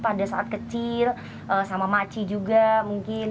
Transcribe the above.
pada saat kecil sama makci juga mungkin